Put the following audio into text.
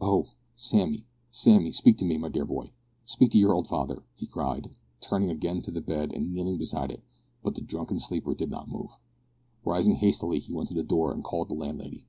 "Oh! Sammy, Sammy, speak to me, my dear boy speak to your old father!" he cried, turning again to the bed and kneeling beside it; but the drunken sleeper did not move. Rising hastily he went to the door and called the landlady.